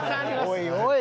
おいおい。